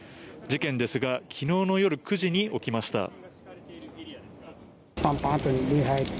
事件ですが昨日夜９時に起きました。